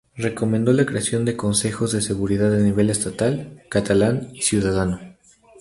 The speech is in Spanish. Recomendó la creación de consejos de seguridad a nivel estatal, catalán y ciudadano.